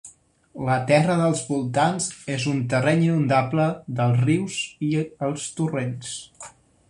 La terra dels voltants és un terreny inundable dels rius i els torrents.